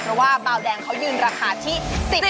เพราะว่าเบาแดงเขายืนราคาที่๑๐บาท